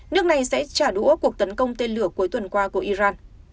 nước này sẽ trả đũa cuộc tấn công tên lửa cuối tuần qua của iran